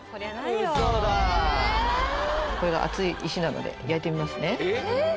これが熱い石なので焼いてみますねえっ？